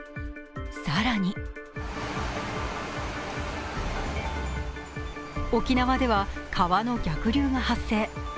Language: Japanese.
更に沖縄では川の逆流が発生。